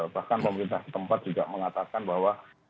bahkan pemerintah tempat juga mengatakan bahwa